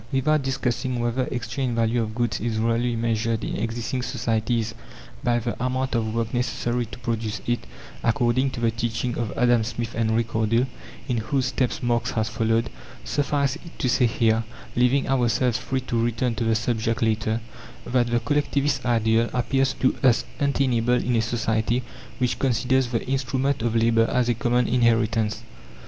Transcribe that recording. Without discussing whether exchange value of goods is really measured in existing societies by the amount of work necessary to produce it according to the teaching of Adam Smith and Ricardo, in whose footsteps Marx has followed suffice it to say here, leaving ourselves free to return to the subject later, that the Collectivist ideal appears to us untenable in a society which considers the instruments of labour as a common inheritance.